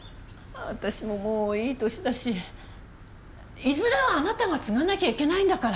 私ももういい歳だしいずれはあなたが継がなきゃいけないんだから。